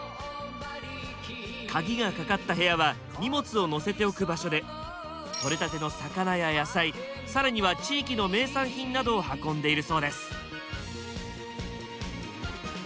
鍵がかかった部屋は荷物を載せておく場所でとれたての魚や野菜更には地域の名産品などを運んでいるそうです。